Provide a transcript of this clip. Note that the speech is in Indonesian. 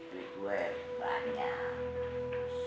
duit gue banyak